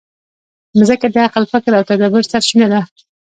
مځکه د عقل، فکر او تدبر سرچینه ده.